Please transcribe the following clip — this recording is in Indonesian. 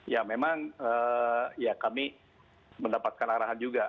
ya memang ya kami mendapatkan arahan juga